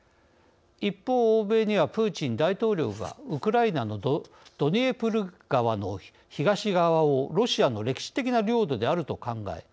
一方欧米には、プーチン大統領がウクライナのドニエプル川の東側をロシアの歴史的な領土であると考え